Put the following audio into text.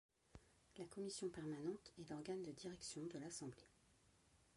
La Commission permanente est l'organe de direction de l'Assemblée.